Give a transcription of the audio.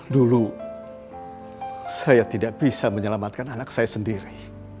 dulu saya tidak bisa menyelamatkan anak saya sendiri